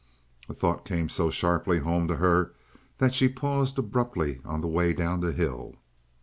The thought came so sharply home to her that she paused abruptly on the way down the hill.